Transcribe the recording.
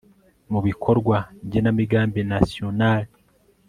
mu bikorwa igenamigambi National